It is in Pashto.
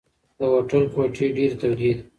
د هوټل کوټې ډېرې تودې دي.